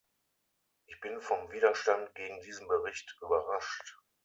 Ich bin vom Widerstand gegen diesen Bericht überrascht.